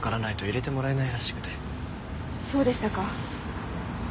そうでしたか。